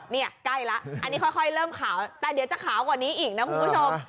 นี่ใกล้แล้วอันนี้ค่อยเริ่มขาวแต่เดี๋ยวจะขาวกว่านี้อีกนะคุณผู้ชม